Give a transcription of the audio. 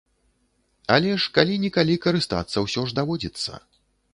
Але ж калі-нікалі карыстацца ўсё ж даводзіцца.